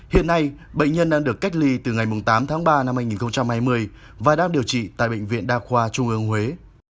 hiện nay bệnh nhân đang được cách ly từ ngày tám tháng ba năm hai nghìn hai mươi và đang điều trị tại bệnh viện đa khoa trung ương huế